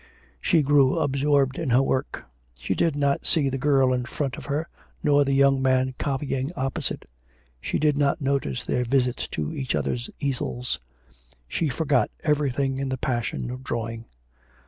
She grew absorbed in her work; she did not see the girl in front of her, nor the young man copying opposite; she did not notice their visits to each other's easels; she forgot everything in the passion of drawing.